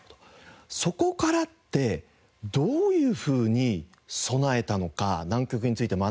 そこからってどういうふうに備えたのか南極について学んだのか